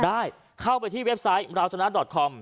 ได้เข้าไปที่เว็บไซต์เราชนะดอดคอม